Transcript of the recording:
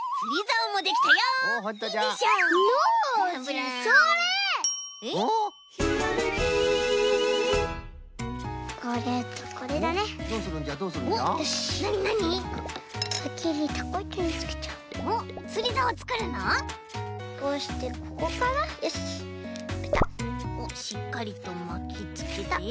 おっしっかりとまきつけた。